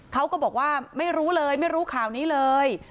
เขาก็บอกว่าไม่รู้เลยไม่รู้ข่าวนี้เลย